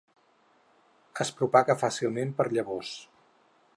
Es propaga fàcilment per llavors.